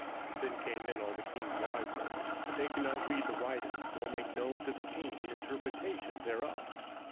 27:005:008 Then came in all the king's wise men: but they could not read the writing, nor make known to the king the interpretation thereof.